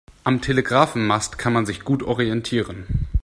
Am Telegrafenmast kann man sich gut orientieren.